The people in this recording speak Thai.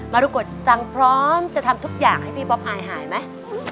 รุกฎจังพร้อมจะทำทุกอย่างให้พี่บ๊อบอายหายไหม